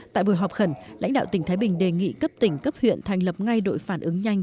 tại buổi họp khẩn lãnh đạo tỉnh thái bình đề nghị cấp tỉnh cấp huyện thành lập ngay đội phản ứng nhanh